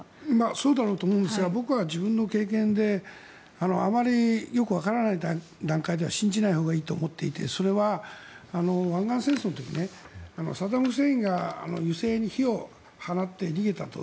そうだろうと思うんですが僕は自分の経験であまりよくわからない段階では信じないほうがいいと思っていてそれは湾岸戦争の時にサダム・フセインが油井に火を放って逃げたと。